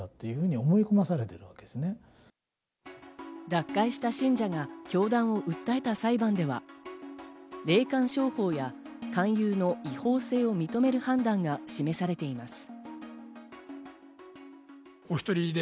脱会した信者が教団を訴えた裁判では、霊感商法や勧誘の違法性を認める判断が示されています。